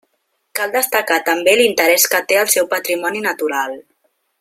Cal destacar també l'interès que té el seu patrimoni natural.